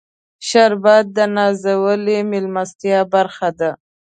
شربت د نازولې میلمستیا برخه ده